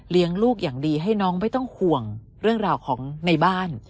ลูกอย่างดีให้น้องไม่ต้องห่วงเรื่องราวของในบ้าน